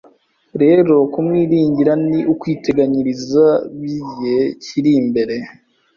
Rero kumwiringira ni ukwiteganyiriza byigijhe kiri imbere